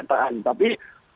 pembelahan yang lebih keras